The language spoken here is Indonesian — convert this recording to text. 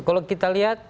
kalau kita lihat